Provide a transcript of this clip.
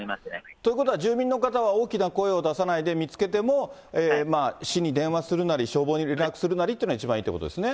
ということは、住民の方は大きな声を出さないで見つけても、市に電話するなり、消防に連絡するなりっていうのが一番いいということですね。